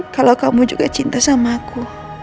kalau kamu juga cinta sama aku